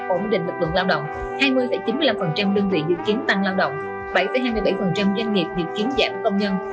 ổn định lực lượng lao động hai mươi chín mươi năm đơn vị dự kiến tăng lao động bảy hai mươi bảy doanh nghiệp dự kiến giảm công nhân